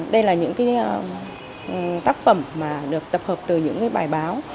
đây là những cái tác phẩm mà được tập hợp từ những bài báo